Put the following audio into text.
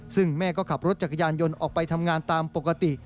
ซึ่งแม่ก็ขับรถจักรยานยนต์ออกไปทำงานตามปกติ